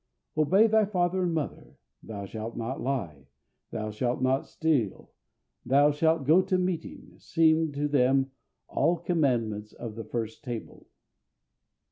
Obey thy father and mother; thou shalt not lie; thou shalt not steal; thou shalt go to meeting seem to them all commandments of the first table.